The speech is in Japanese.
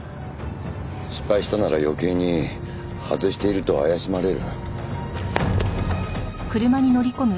失敗したなら余計に外していると怪しまれる。